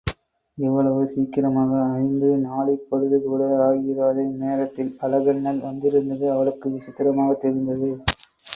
இவ்வளவு சீக்கிரமாக–ஐந்து நாழிப் பொழுது கூட ஆகியிராத இந்நேரத்தில் அழகண்ணல் வந்திருந்தது அவளுக்கு விசித்திரமாகத் தெரிந்தது.